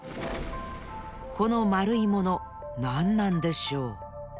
このまるいものなんなんでしょう？